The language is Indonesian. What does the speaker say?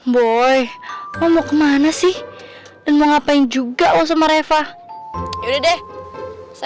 boy kamu kemana sih dan mau ngapain juga mau sama reva udah deh saya